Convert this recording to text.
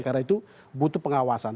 karena itu butuh pengawasan